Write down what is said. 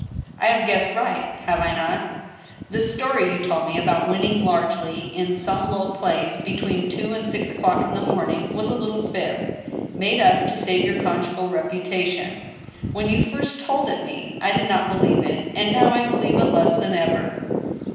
" I have guessed right— have I not ?" The story you told me about winning largely in some low place, between two and six o'clock in the morning, was a little fib, made up to save your conjugal reputation. ... When you first told it me, I did not believe it, and now I believe it less than ever.